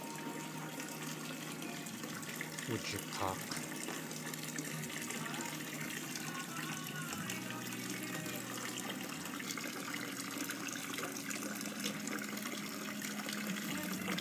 Wujik̲aak̲.